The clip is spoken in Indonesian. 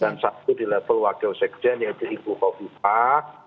dan satu di level wakil sekjen yaitu ibu kofi pak